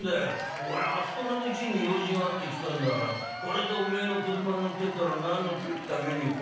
俺あそこのうちに用事があって来たんだからこれでおめえの俥乗ってったら何のためにここに来たか分からねんで」。